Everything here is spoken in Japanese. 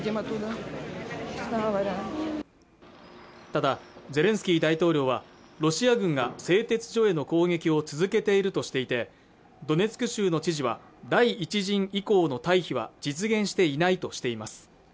ただゼレンスキー大統領はロシア軍が製鉄所への攻撃を続けているとしていてドネツク州の知事は第１陣以降の退避は実現していないとしています